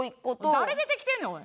誰出てきてんねんおい。